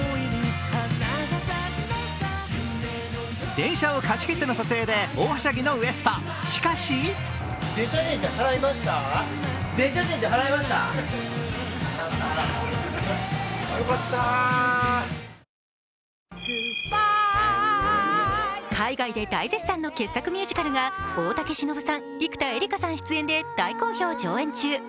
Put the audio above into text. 電車を貸し切っての撮影で大はしゃぎのＷＥＳＴ、しかし海外で大絶賛の傑作ミュージカルが大竹しのぶさん、生田絵梨花さん出演で大好評上演中。